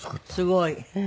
すごい。